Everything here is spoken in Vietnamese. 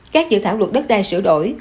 các dự thảo luật đất đai sửa đổi